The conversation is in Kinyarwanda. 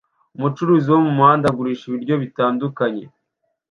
Umucuruzi wo mumuhanda agurisha ibiryo bitandukanye